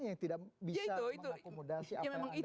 yang tidak bisa mengakomodasi apa yang ada